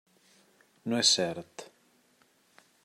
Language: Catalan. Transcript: No és cert.